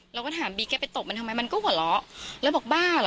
เราก็ถามบีแกไปตบมันทำไมมันก็หัวเราะแล้วบอกบ้าเหรอ